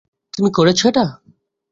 তুমি করেছো এটা?